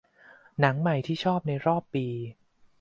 หนังใหม่ที่ชอบในรอบปี